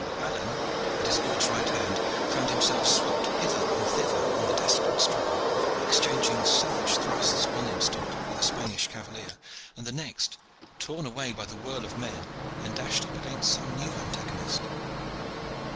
Alleyne, at his lord's right hand, found himself swept hither and thither in the desperate struggle, exchanging savage thrusts one instant with a Spanish cavalier, and the next torn away by the whirl of men and dashed up against some new antagonist.